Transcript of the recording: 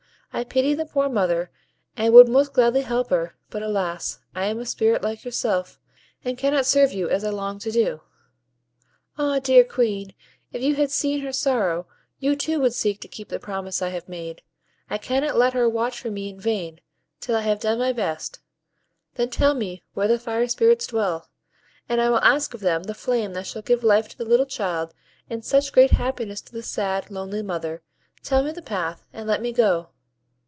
I pity the poor mother, and would most gladly help her; but alas! I am a Spirit like yourself, and cannot serve you as I long to do." "Ah, dear Queen! if you had seen her sorrow, you too would seek to keep the promise I have made. I cannot let her watch for ME in vain, till I have done my best: then tell me where the Fire Spirits dwell, and I will ask of them the flame that shall give life to the little child and such great happiness to the sad, lonely mother: tell me the path, and let me go."